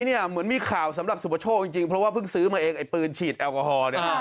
เหมือนมีข่าวสำหรับสุปโชคจริงเพราะว่าเพิ่งซื้อมาเองไอ้ปืนฉีดแอลกอฮอล์เนี่ย